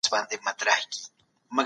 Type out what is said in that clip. اقتصادي پرمختيا زموږ د هېواد هيله ده.